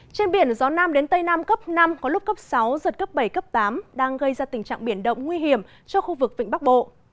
trên biển gió nam đến tây nam cấp năm có lúc cấp sáu giật cấp bảy cấp tám đang gây ra tình trạng biển động nguy hiểm cho khu vực vịnh bắc bộ